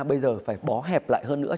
bây giờ phải bó hẹp lại hơn nữa